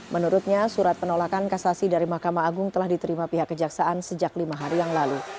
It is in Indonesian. menurutnya surat penolakan kasasi dari mahkamah agung telah diterima pihak kejaksaan sejak lima hari yang lalu